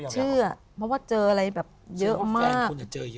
เชื่อเพราะว่าเจออะไรแบบเยอะมาก